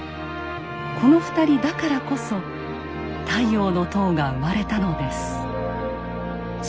この２人だからこそ「太陽の塔」が生まれたのです。